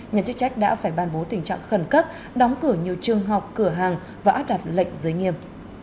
nhà chức trách đã phải ban bố tình trạng khẩn cấp đóng cửa nhiều trường học cửa hàng và áp đặt lệnh giới nghiêm